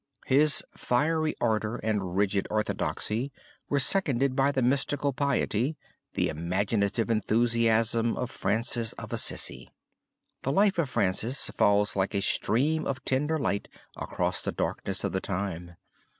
His fiery ardor and rigid orthodoxy were seconded by the mystical piety, the imaginative enthusiasm of Francis of Assisi. The life of Francis falls like a stream of tender light across the darkness of the time.